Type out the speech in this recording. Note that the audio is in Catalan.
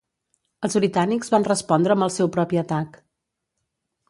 Els britànics van respondre amb el seu propi atac.